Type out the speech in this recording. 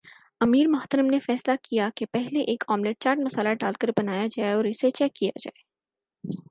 امیر محترم نے فیصلہ کیا کہ پہلے ایک آملیٹ چاٹ مصالحہ ڈال کر بنایا جائے اور اسے چیک کیا جائے